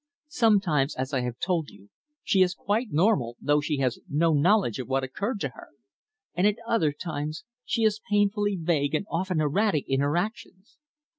Sometimes, as I have told you, she is quite normal, though she has no knowledge of what occurred to her. And at other times she is painfully vague and often erratic in her actions."